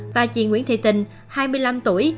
và chị nguyễn thị tình hai mươi năm tuổi